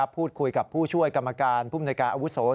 พูดคุยกับผู้ช่วยกรรมการผู้บรรยากาศอวุศัวร์